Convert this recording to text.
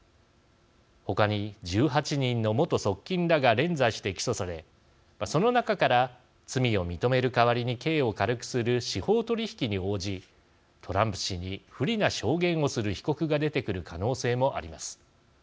他に１８人の元側近らが連座して起訴され、その中から罪を認める代わりに刑を軽くする司法取引に応じトランプ氏に不利な証言をする被告が出てくる可能性もあります。